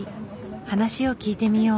話を聞いてみよう。